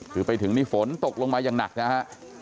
คือไปถึงนี่ฝนตกลงมาอย่างหนักนะฮะ